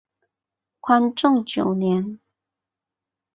宽政九年。